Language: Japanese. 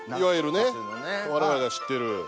いわゆるね我々が知っている。